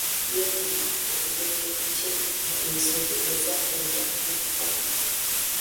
Yeyama okugonjoola kye yayita ensobi ezaakolebwa mu byafaayo.